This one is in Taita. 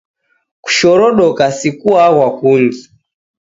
Kushorodoka si kughwa kungi